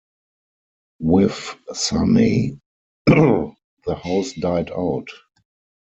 With Sanei, the house died out.